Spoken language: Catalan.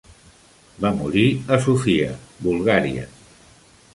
Va morir a Sofia, Bulgària.